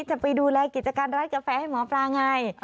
จะไปดูแลกิจการร้านกาแฟให้หมอปลาไง